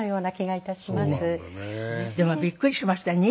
でもびっくりしましたよ。